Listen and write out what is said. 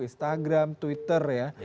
instagram twitter ya